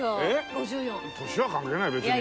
５４。年は関係ない別に。